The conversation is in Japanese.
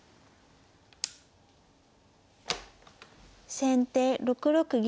先手６六銀。